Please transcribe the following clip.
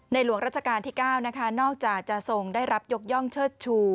หลวงราชการที่๙นะคะนอกจากจะทรงได้รับยกย่องเชิดชู